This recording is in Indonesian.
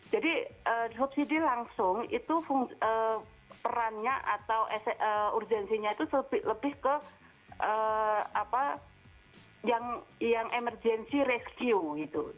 jadi subsidi langsung itu perannya atau urgensinya itu lebih lebih ke yang emergency rescue